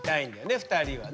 ２人はね。